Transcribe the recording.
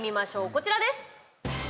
こちらです。